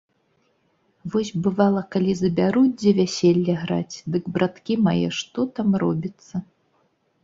Вось бывала, калі забяруць дзе вяселле граць, дык, браткі мае, што там робіцца!